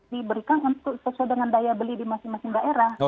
diberikan untuk sesuai dengan daya beli di masing masing daerah